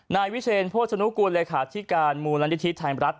นายวิเศรษฐ์โภชนุกูลเลยค่ะที่การมูลลันทิศไทยรัฐ